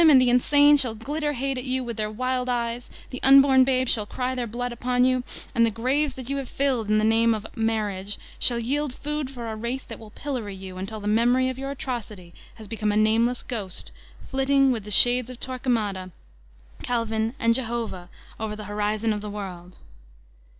And the insane shall glitter hate at you with their wild eyes, the unborn babes shall cry their blood upon you, and the graves that you have filled in the name of Marriage, shall yield food for a race that will pillory you, until the memory of jrour atrocity has become a nameless ghost, flitting with the shades of Torquemada, Calvin and Jehovah over the bo* rizon of the World